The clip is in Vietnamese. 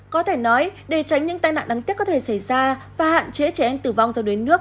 có thể nói để tránh những tai nạn đáng tiếc có thể xảy ra và hạn chế trẻ em tử vong do đuối nước